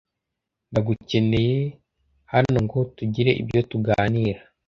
Ndagukeneye hanongo tugire ibyo tuganira